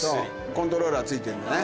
コントローラー付いてるんでね。